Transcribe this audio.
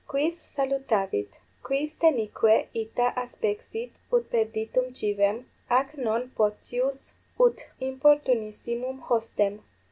quis salutavit? quis denique ita aspexit ut perditum civem, ac non potius ut importunissimum hostem?